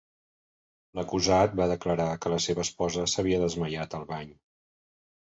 L'acusat va declarar que la seva esposa s'havia desmaiat al bany.